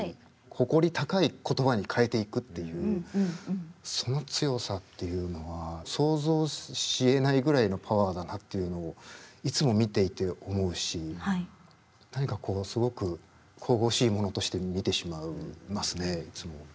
誇り高い言葉に変えていくっていうその強さっていうのは想像しえないぐらいのパワーだなっていうのをいつも見ていて思うし何かこうすごく神々しいものとして見てしまいますねいつも。